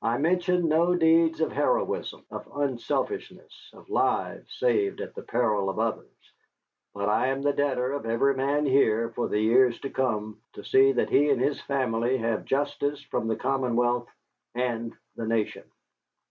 "I mention no deeds of heroism, of unselfishness, of lives saved at the peril of others. But I am the debtor of every man here for the years to come to see that he and his family have justice from the Commonwealth and the nation."